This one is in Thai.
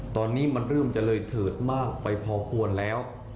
ตอนนี้มันเริ่มจะเลยเถิดมากไปพอควรแล้ว